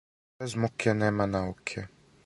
Без муке нема науке.